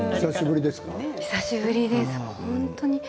久しぶりです。